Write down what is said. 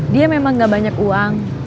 dia memang gak banyak uang